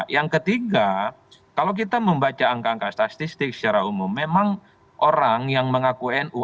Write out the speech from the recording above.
yang ketiga kalau kita membaca angka angka statistik secara umum memang orang yang mengaku nu